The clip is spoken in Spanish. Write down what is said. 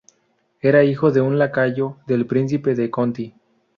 Era hijo de un lacayo del príncipe de Conti.